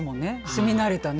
住み慣れたね。